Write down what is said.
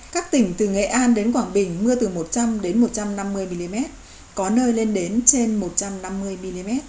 các tỉnh từ nghệ an đến quảng bình mưa từ một trăm linh một trăm năm mươi mm có nơi lên đến trên một trăm năm mươi mm